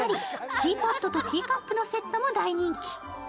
ティーポットとティーカップのセットも大人気。